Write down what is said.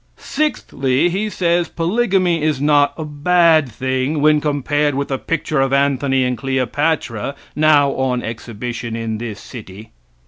Sixthly, He says polygamy is not a bad thing when compared with the picture of Anthony and Cleopatra, now on exhibition in this city.